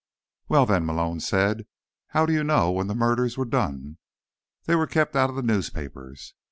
"Well, then," Malone said, "how do you know when the murders were done? They were kept out of the newspapers."